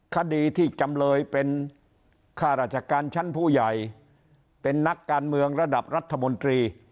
คดีที่จำเลยเป็นข้าราชการชั้นผู้ใหญ่เป็นนักการเมืองระดับรัฐมนตรี